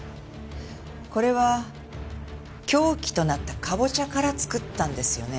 これは凶器となったカボチャから作ったんですよね？